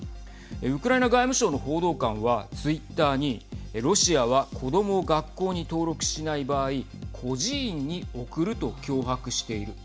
ウクライナ外務省の報道官はツイッターにロシアは子どもを学校に登録しない場合孤児院に送ると脅迫している。